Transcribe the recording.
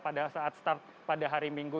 pada saat start pada hari minggu